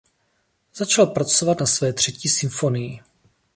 Začal pracovat na své "Třetí symfonii".